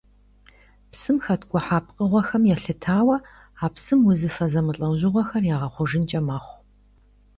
Псым хэткӀухьа пкъыгъуэхэм елъытауэ а псым узыфэ зэмылӀэужьыгъуэхэр ягъэхъужынкӀэ мэхъу.